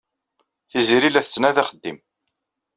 Tiziri la tettnadi axeddim.